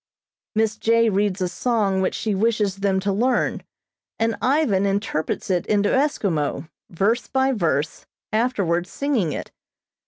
Miss J. reads a song which she wishes them to learn, and Ivan interprets it into Eskimo, verse by verse, afterwards singing it.